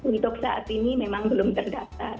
untuk saat ini memang belum terdaftar